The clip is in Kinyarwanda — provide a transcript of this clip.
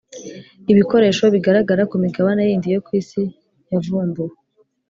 Ibikoresho bigaragara ku migabane yindi yo ku isi yavumbuwe